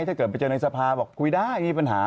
ถ้าเกิดไปเจอในสภาบอกคุยได้มีปัญหา